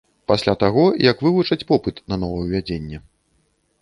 Пасля таго, як вывучаць попыт на новаўвядзенне.